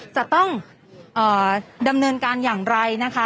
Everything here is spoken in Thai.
จะต้องดำเนินการอย่างไรนะคะ